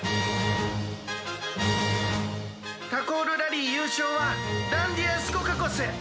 「タコールラリーゆうしょうはダンディア・スコカコス！」。